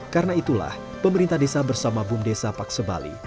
karena itulah pemerintah desa bersama bum desa paksebali